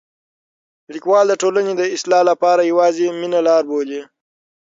لیکوال د ټولنې د اصلاح لپاره یوازې مینه لاره بولي.